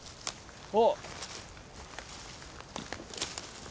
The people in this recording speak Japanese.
あっ！